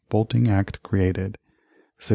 Bolting Act created 1681.